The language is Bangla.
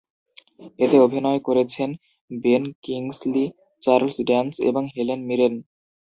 এতে অভিনয় করেছেন বেন কিংসলি, চার্লস ড্যান্স এবং হেলেন মিরেন।